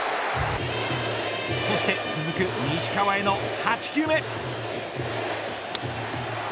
そして続く西川への８球目。